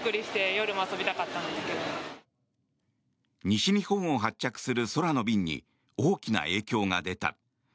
西日本を発着する空の便に大きな影響が出た。